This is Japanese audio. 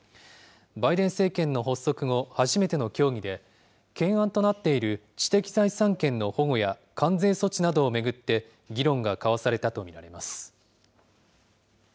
バイデン政権の発足後初めての協議で、懸案となっている知的財産権の保護や関税措置などを巡って議論が交わされたと見られます。